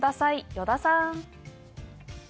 依田さん。